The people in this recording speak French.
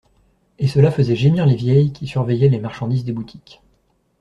Et cela faisait gémir les vieilles qui surveillaient les marchandises des boutiques.